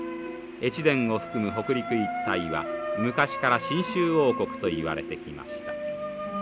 越前を含む北陸一帯は昔から真宗王国といわれてきました。